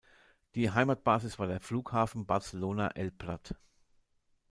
Die Heimatbasis war der Flughafen Barcelona-El Prat.